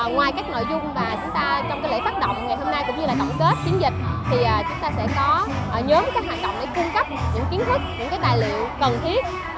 ngoài các nội dung và chúng ta trong lễ phát động ngày hôm nay cũng như là tổng kết chiến dịch thì chúng ta sẽ có nhóm các hành động để cung cấp những kiến thức những cái tài liệu cần thiết